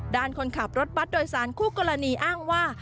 คนขับรถบัตรโดยสารคู่กรณีอ้างว่า